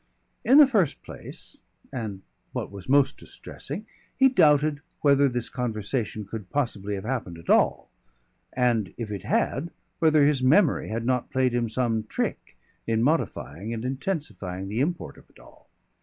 In the first place, and what was most distressing, he doubted whether this conversation could possibly have happened at all, and if it had whether his memory had not played him some trick in modifying and intensifying the import of it all.